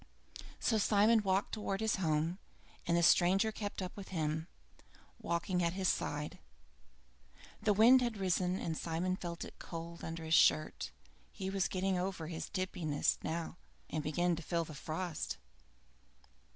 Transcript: So Simon walked towards his home, and the stranger kept up with him, walking at his side. The wind had risen and Simon felt it cold under his shirt. He was getting over his tipsiness by now, and began to feel the frost.